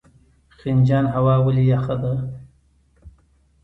خنجان هوا ولې یخه ده؟